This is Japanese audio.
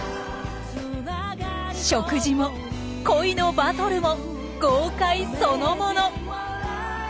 食事も恋のバトルも豪快そのもの。